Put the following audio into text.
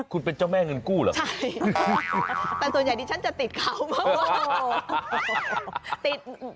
คุณเป็นเจ้าแม่เงินกู้เหรอคะใช่แต่ส่วนใหญ่นี้ฉันจะติดเขาเมื่อไหร่